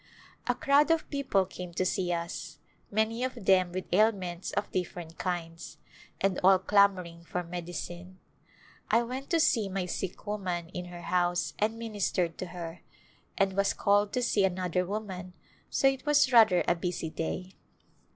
A crowd of people came to see us, many of them with ailments of different kinds, and all clamoring for medicine. I went to see my sick woman in her Last Days house and ministered to her, and was called to see another woman so it was rather a busy day.